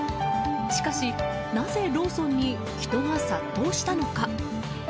しかし、なぜローソンに人が殺到したのか。